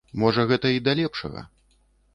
Можа гэта й да лепшага.